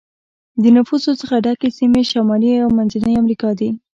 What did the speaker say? د نفوسو څخه ډکې سیمې شمالي او منځنی امریکا دي.